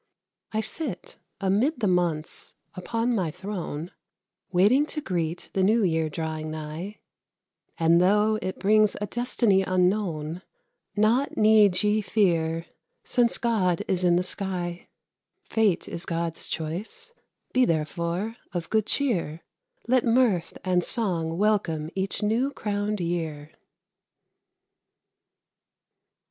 I sit, amid the months, upon my throne, Waiting to greet the New Year drawing nigh, And though it brings a destiny unknown, Naught need ye fear, since God is in the sky. Fate is God's choice; be therefore of good cheer. Let mirth and song welcome each new crowned year.